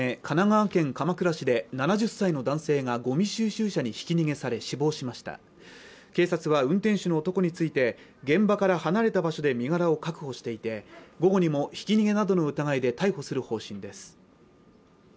神奈川県鎌倉市で７０歳の男性がごみ収集車にひき逃げされ死亡しました警察は運転手の男について現場から離れた場所で身柄を確保していて午後にもひき逃げなどの疑いで逮捕する方針です